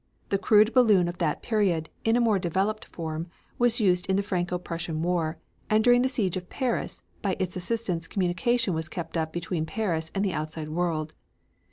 The crude balloon of that period, in a more developed form, was used in the Franco Prussian War, and during the siege of Paris by its assistance communication was kept up between Paris and the outside world.